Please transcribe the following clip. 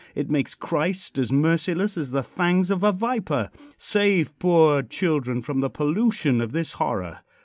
It makes Christ as merciless as the fangs of a viper. Save poor children from the pollution of this horror.